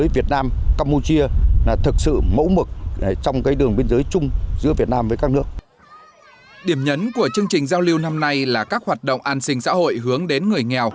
và ngăn cùng phát triển